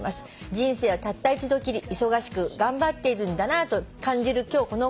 「人生はたった一度きり忙しく頑張っているんだなと感じる今日このごろです」